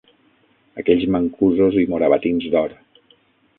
Aquells mancusos i morabatins d'or